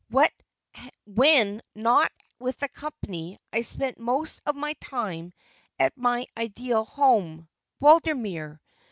When not with the company I spent most of my time at my ideal home Waldemere.